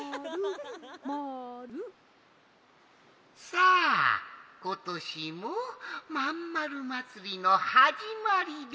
さあことしもまんまるまつりのはじまりです。